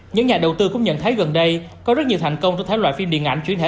những nhà đầu tư cũng nhận thấy gần đây có rất nhiều thành công trong thái loại phim điện ảnh chuyển thể